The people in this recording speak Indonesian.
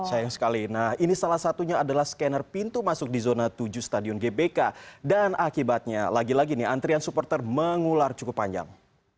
sayang sekali nah ini salah satunya adalah scanner pintu masuk di zona tujuh stadion gbk dan akibatnya lagi lagi nih antrian supporter mengular cukup panjang